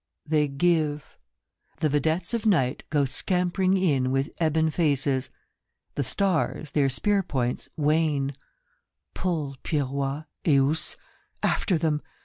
THEY give ; the vedettes of night go scampering in with ebon faces, The stars, their spear points, wane; pull, Pyrois, Eous! After them